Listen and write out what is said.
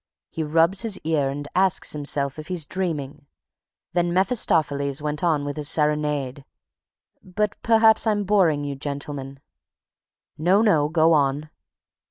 He rubs his ear and asks himself, if he's dreaming. Then Mephistopheles went on with his serenade... But, perhaps I'm boring you gentlemen?" "No, no, go on."